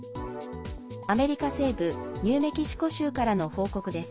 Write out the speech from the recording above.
アメリカ西部ニューメキシコ州からの報告です。